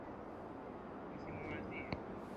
yanayohusika lugha hii inaweza kuwa na msamiati